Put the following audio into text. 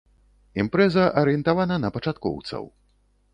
Імпрэза арыентавана на пачаткоўцаў.